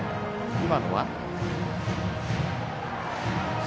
今のは。